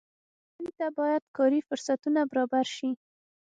دوی ته باید کاري فرصتونه برابر شي.